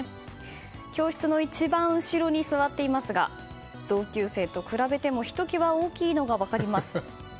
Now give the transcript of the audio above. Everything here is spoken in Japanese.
教室の一番後ろに座っていますが同級生と比べてもひと際大きいのが分かります。